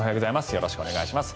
よろしくお願いします。